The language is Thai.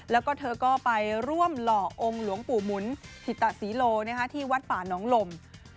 แล้วก็เธอก็ไปร่วมหล่อองค์หลวงปู่หมุนถิตศรีโลที่วัดป่าน้องลม